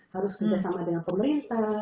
harus kerjasama dengan pemerintah